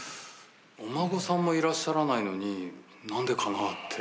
お孫さんもいらっしゃらないのに何でかなって。